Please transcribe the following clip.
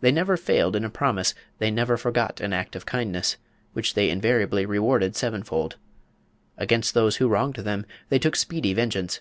They never failed in a promise; they never forgot an act of kindness, which they invariably rewarded seven fold. Against those who wronged them they took speedy vengeance.